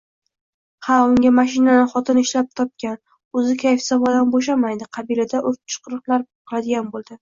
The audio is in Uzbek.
Ha, unga mashinani xotini ishlab topgan, oʼzi kayf-safodan boʼshamaydi», qabilida uchiriqlar qiladigan boʼldi.